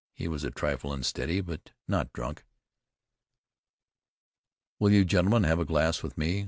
He was a trifle unsteady; but not drunk. "Will you gentlemen have a glass with me?"